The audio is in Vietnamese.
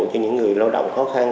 cho những người lao động khó khăn